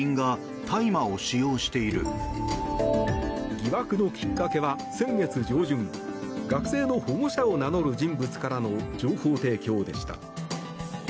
疑惑のきっかけは先月上旬学生の保護者を名乗る人物からの情報提供でした。